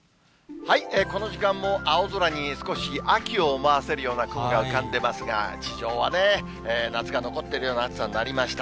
この時間も青空に少し秋を思わせるような雲が浮かんでますが、地上はね、夏が残っているような暑さになりました。